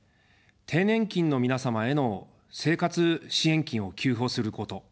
低年金の皆様への生活支援金を給付をすること。